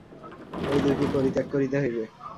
এই দুইটিই পরিত্যাগ করিতে হইবে।